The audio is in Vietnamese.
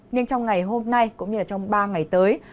nhưng trong ngày hôm nay cũng như trong ba ngày tới